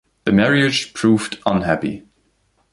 The marriage proved unhappy.